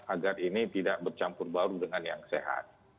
agar ini tidak bercampur baru dengan yang sehat